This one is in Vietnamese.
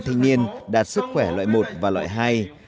hai thanh niên đạt sức khỏe loại hai và loại ba